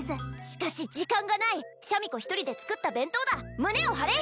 しかし時間がないシャミ子１人で作った弁当だ胸を張れ